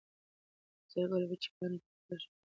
د زېړ ګل وچې پاڼې پر فرش رژېدلې وې.